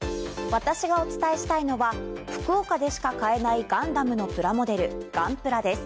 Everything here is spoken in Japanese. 私がお伝えしたいのは福岡でしか買えないガンダムのプラモデル、ガンプラです。